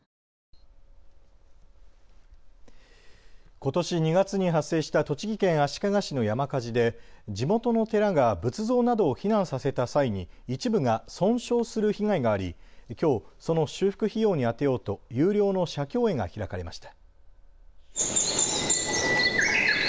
ことし２月に発生した栃木県足利市の山火事で地元の寺が仏像など避難させた際に一部が損傷する被害があり、きょう、その修復費用に充てようと有料の写経会が開かれました。